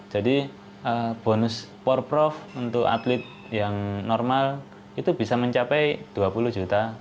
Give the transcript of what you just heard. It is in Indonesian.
jadi bonus for prof untuk atlet yang normal itu bisa mencapai dua puluh juta